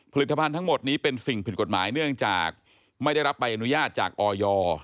ผลิตภัณฑ์ทั้งหมดนี้เป็นสิ่งผิดกฎหมายเนื่องจากไม่ได้รับใบอนุญาตจากออย